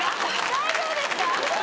大丈夫ですか？